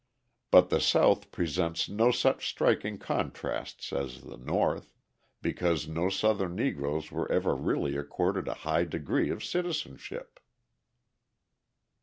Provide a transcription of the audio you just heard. But the South presents no such striking contrasts as the North, because no Southern Negroes were ever really accorded a high degree of citizenship.